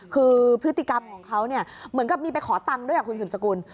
คือพฤติกรรมของเขาเนี่ยเหมือนกับมีไปขอตังค์ด้วยคุณสืบสกุล